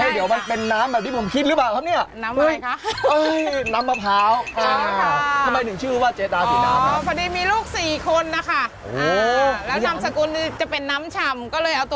เดี๋ยวมันเป็นน้ำแบบที่ผมคิดหรือเปล่าครับเนี่ย